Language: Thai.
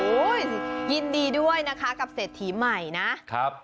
ยินดีด้วยนะคะกับเศรษฐีใหม่นะครับ